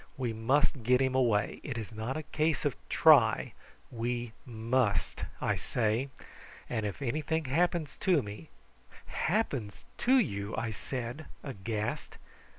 We must get him away. It is not a case of try! We must, I say; and if anything happens to me " "Happens to you!" I said aghast.